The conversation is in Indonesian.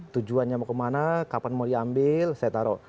tujuannya mau kemana kapan mau diambil saya taruh